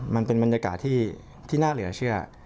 มันเป็นบรรยากาศที่น่าเหลือเชื่อ